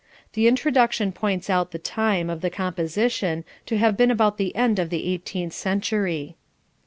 The introduction points out the time of the composition to have been about the end of the eighteenth century.